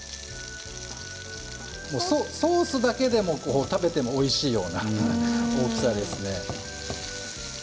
ソースだけでも食べてもおいしいような大きさですね。